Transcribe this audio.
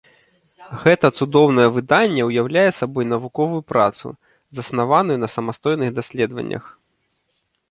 Гэта цудоўнае выданне ўяўляе сабой навуковую працу, заснаваную на самастойных даследаваннях.